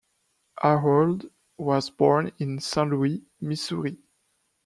Harold was born in Saint Louis, Missouri.